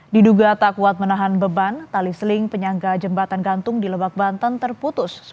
diduga tak kuat menahan beban tali seling penyangga jembatan gantung di lebak banten terputus